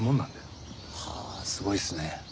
はぁすごいっすね。